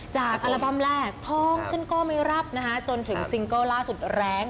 อัลบั้มแรกท้องฉันก็ไม่รับนะคะจนถึงซิงเกิลล่าสุดแรง